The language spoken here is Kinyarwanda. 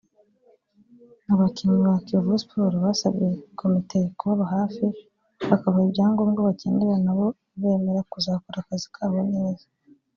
Abakinnyi ba Kiyovu Sports basabye komite kubaba hafi bakabaha ibyangombwa bakenera nabo bemera kuzakora akazi kabo neza